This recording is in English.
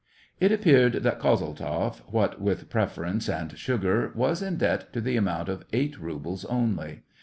It appeared that Kozeltzoff, what with prefer ence and sugar, was in debt to the amount of eight rubles only.